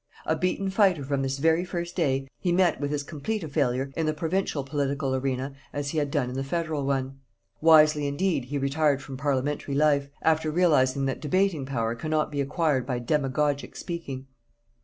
A beaten fighter from this very first day, he met with as complete a failure in the provincial political arena as he had done in the federal one. Wisely indeed, he retired from parliamentary life, after realizing that debating power cannot be acquired by demagogic speaking.